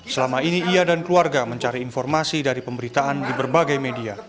selama ini ia dan keluarga mencari informasi dari pemberitaan di berbagai media